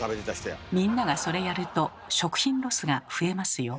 みんながそれやると食品ロスが増えますよ。